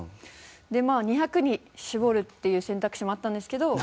まあ２００に絞るっていう選択肢もあったんですけど。